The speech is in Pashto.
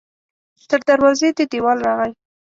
تر دروازو دې دیوال راغلی